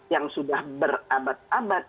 yang sudah berabad abad